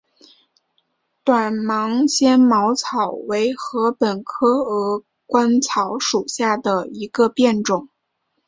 短芒纤毛草为禾本科鹅观草属下的一个变种。